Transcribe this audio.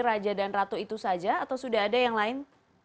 raja dan ratu itu saja atau sudah ada yang lain